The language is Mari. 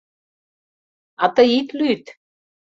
— А тый ит лӱд!